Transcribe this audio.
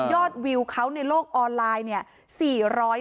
วิวเขาในโลกออนไลน์เนี่ย